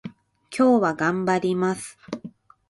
今日は頑張ります